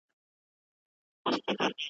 صبر تریخ دی خو میوه یې خوږه ده .